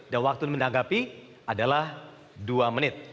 dan waktu menanggapi adalah dua menit